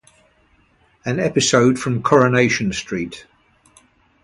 An episode from Coronation Street.